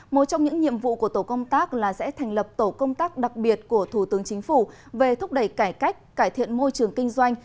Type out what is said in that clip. một trong những nhiệm vụ của tổ công tác là sẽ thành lập tổ công tác đặc biệt của thủ tướng chính phủ về thúc đẩy cải cách cải thiện môi trường kinh doanh